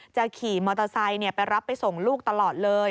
ขี่มอเตอร์ไซค์ไปรับไปส่งลูกตลอดเลย